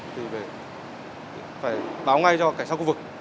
thì phải báo ngay cho cảnh sát khu vực